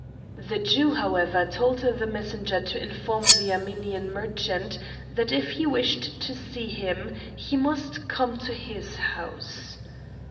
The Jew, however, told the messenger to inform the Armenian merchant, that if he wished to see him, he must come to his house.